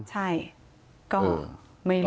ใช่ก็ไม่รู้เหมือนกัน